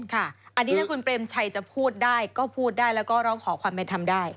ค่ะอันนี้ถ้าคุณเปรมชัยจะพูดได้ก็พูดได้แล้วก็ร้องขอความเป็นธรรมได้